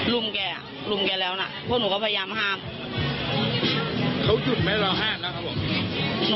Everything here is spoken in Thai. รุมแกแล้วก็พยายามฮ่าน